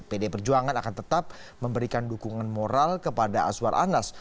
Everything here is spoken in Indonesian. pdi perjuangan akan tetap memberikan dukungan moral kepada azwar anas